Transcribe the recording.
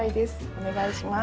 お願いします。